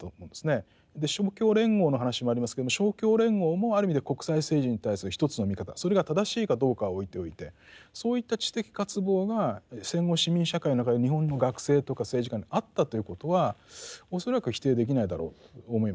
勝共連合の話もありますけども勝共連合もある意味では国際政治に対する一つの見方それが正しいかどうかは置いておいてそういった知的渇望が戦後市民社会の中で日本の学生とか政治家にあったということは恐らく否定できないだろうと思います。